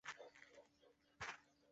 这是埃莉诺唯一留存于世的手书。